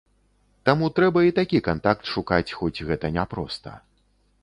Таму трэба і такі кантакт шукаць, хоць гэта не проста.